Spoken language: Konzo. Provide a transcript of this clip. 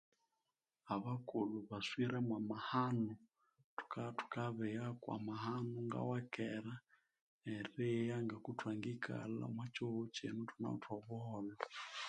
Abakulhu baswire mwamahanu thuka thukabigha kwamaghanu ngawakera erigha ngakuthwangikalha omwa kyihughu kyino thunawithe obuholho